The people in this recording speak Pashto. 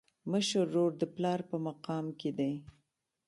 مشر ورور د پلار په مقام کي دی.